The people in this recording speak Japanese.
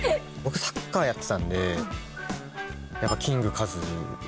僕サッカーやってたんでやっぱキング・カズ。